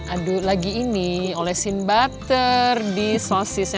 aduh lagi ini olesin butter di sosisnya